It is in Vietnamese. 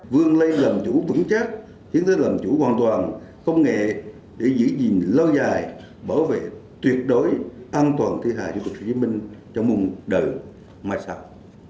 vương lây làm chủ vững chắc hiến tới làm chủ hoàn toàn công nghệ để giữ gìn lâu dài bảo vệ tuyệt đối an toàn thi hài chủ tịch hồ chí minh trong mùa đời mai sau